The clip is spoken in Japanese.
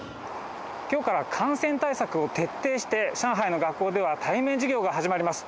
きょうから感染対策を徹底して、上海の学校では対面授業が始まります。